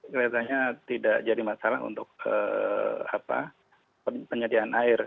keretanya tidak jadi masalah untuk penyediaan air